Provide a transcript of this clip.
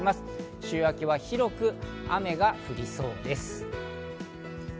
週明けは広く、雨が降りそうです。